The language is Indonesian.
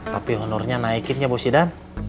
tapi honornya naikin ya bos tidan